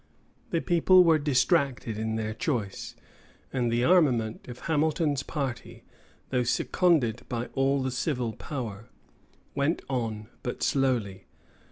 The people were distracted in their choice; and the armament of Hamilton's party, though seconded by all the civil power, went on but slowly.